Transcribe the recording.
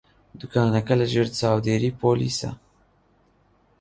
دوکانەکە لەژێر چاودێریی پۆلیسە.